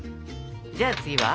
じゃあ次は？